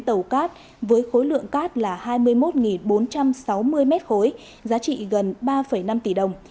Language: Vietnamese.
tàu cát với khối lượng cát là hai mươi một bốn trăm sáu mươi m ba giá trị gần ba năm tỷ đồng